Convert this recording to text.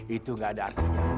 itu gak ada artinya